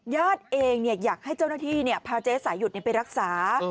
ญาติเองเนี่ยอยากให้เจ้าหน้าที่เนี่ยพาเจ๊สายุดไปรักษา